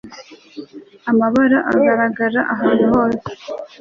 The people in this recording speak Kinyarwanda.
Amabara agaragara ahantu hose